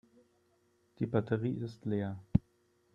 Die Batterie ist leer.